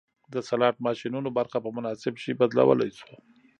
د سلاټ ماشینونو برخه په مناسب شي بدلولی شو